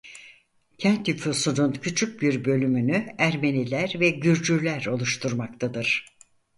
Kent nüfusunun küçük bir bölümünü Ermeniler ve Gürcüler oluşturmaktadır.